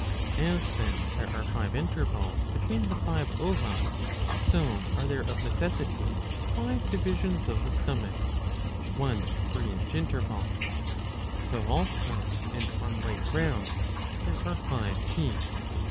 As then there are five intervals between the five ova, so are there of necessity five divisions of the stomach, one for each interval. So also and on like grounds there are five teeth.